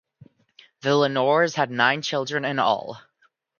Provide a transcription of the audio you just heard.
The Lenoirs had nine children in all.